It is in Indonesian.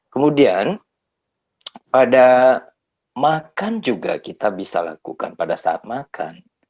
kemudian pada makan juga kita bisa lakukan pada saat makan